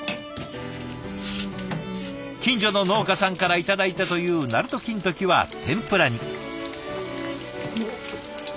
近所の農家さんから頂いたというなると金時は天ぷらに。